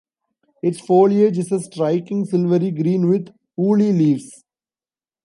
Its foliage is a striking silvery green, with woolly leaves.